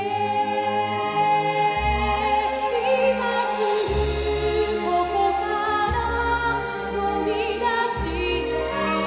「いますぐここから飛び出して」